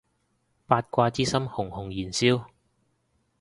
八卦之心熊熊燃燒